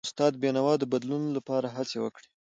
استاد بینوا د بدلون لپاره هڅې وکړي.